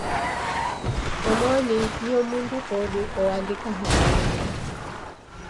Omoni nio mndu odu oandika habari.